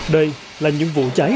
đây là những vụ trái